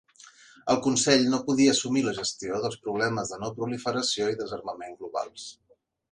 El Consell no podia assumir la gestió dels problemes de no-proliferació i desarmament globals.